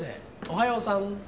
おはようさん。